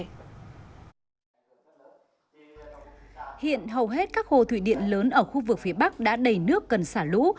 hiện hầu hết các hồ thủy điện lớn ở khu vực phía bắc đã đầy nước cần xả lũ